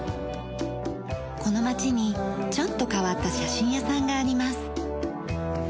この町にちょっと変わった写真屋さんがあります。